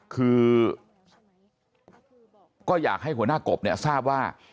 คือก็อยากให้หัวหน้ากบเนี่ยทราบว่า